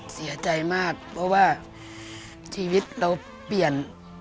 เสียใจมากเพราะว่าชีวิตเราเปลี่ยน